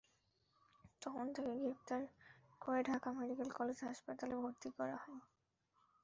তখন তাঁকে গ্রেপ্তার করে ঢাকা মেডিকেল কলেজ হাসপাতালে ভর্তি করা হয়।